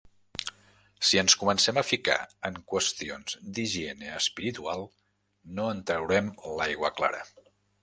Si ens comencem a ficar en qüestions d'higiene espiritual no en traurem l'aigua clara.